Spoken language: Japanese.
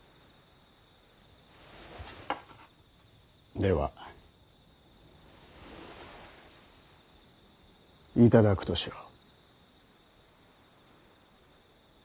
では頂くとしよう。